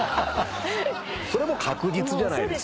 それもう確実じゃないですか。